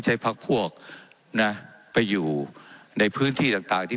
เจ้าหน้าที่ของรัฐมันก็เป็นผู้ใต้มิชชาท่านนมตรี